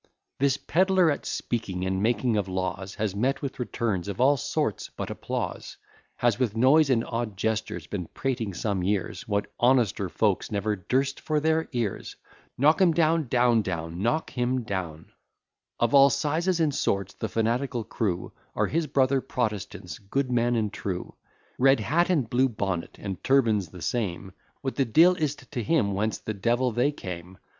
This pedler, at speaking and making of laws, Has met with returns of all sorts but applause; Has, with noise and odd gestures, been prating some years, What honester folk never durst for their ears. Knock him down, etc. Of all sizes and sorts, the fanatical crew Are his brother Protestants, good men and true; Red hat, and blue bonnet, and turban's the same, What the de'il is't to him whence the devil they came.